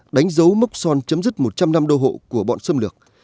đánh dấu mốc son chấm dứt một trăm linh năm đô hộ của bọn xâm lược